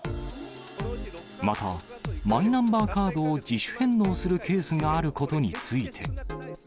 また、マイナンバーカードを自主返納するケースがあることについて。